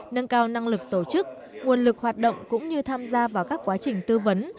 nâng cao năng lực tổ chức nguồn lực hoạt động cũng như tham gia vào các quá trình tư vấn